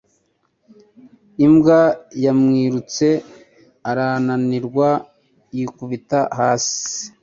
imbwa Ya mwirutse arananirwa yikubita hasi